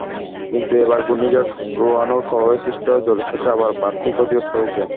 কিন্তু এবার ঘূর্ণিঝড় রোয়ানুর প্রভাবে সৃষ্ট জলোচ্ছ্বাসে আবার বাঁধটি ক্ষতিগ্রস্ত হয়েছে।